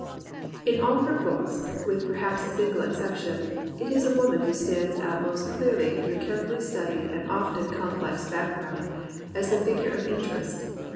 In all her books, with perhaps a single exception, it is a woman who stands out most clearly from the carefully studied and often com plex backgroimd as the figure of interest.